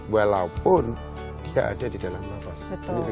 walaupun dia ada di dalam lapas